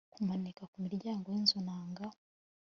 kumanika kumiryango yinzu nanga